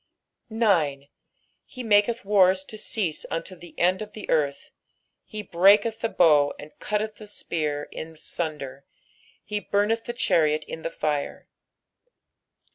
9 He maketh wars to cease unto the end of the eaith ; he breaketh the bow, and cutteth the spear in sunder ; he bumeth the chariot in the fire.